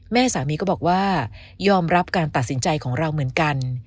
แม่สามีก็บอกว่ายอมรับการตัดสินใจของเราเหมือนกัน